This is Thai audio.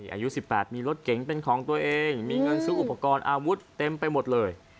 อายุ๑๘มีรถเก๋งเป็นของตัวเองมีเงินซื้ออุปกรณ์อาวุธเต็มไปหมดเลย